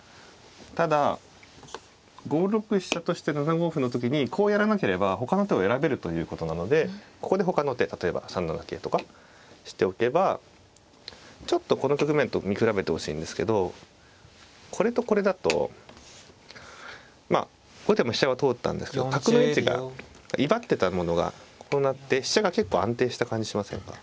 ただ５六飛車として７五歩の時にこうやらなければほかの手を選べるということなのでここでほかの手例えば３七桂とかしておけばちょっとこの局面と見比べてほしいんですけどこれとこれだと後手も飛車は通ったんですけど角の位置が威張ってたものがこうなって飛車が結構安定した感じしませんか。